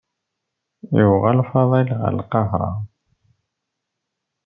Yuɣal Faḍil ɣer Lqahiṛa.